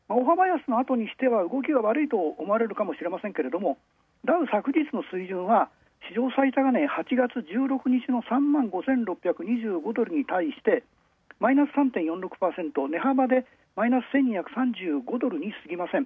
動きが悪いと思われるかもしれませんがダウ昨日の水準は史上最高値８月１６日の３万５８２５ドルに対してマイナス３．４６％値幅でマイナス１２３５ドルにすぎません。